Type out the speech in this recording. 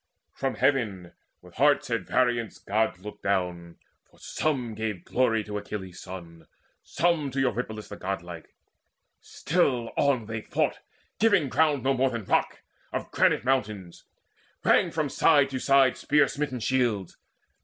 From Heaven, with hearts at variance, Gods looked down; For some gave glory to Achilles' son, Some to Eurypylus the godlike. Still They fought on, giving ground no more than rock. Of granite mountains. Rang from side to side Spear smitten shields.